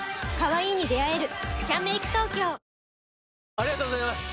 ありがとうございます！